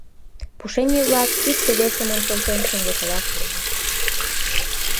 Пушеҥге-влак, икте-весым ончылтен, шеҥгекыла куржыт.